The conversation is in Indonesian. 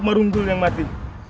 merunggul yang mati